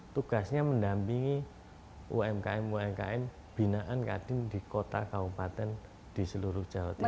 tugasnya mendampingi umkm umkm binaan kadin di kota kabupaten di seluruh jawa timur